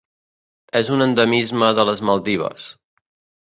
És un endemisme de les Maldives.